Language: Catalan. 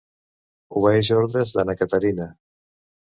Obeeix ordres de na Caterina.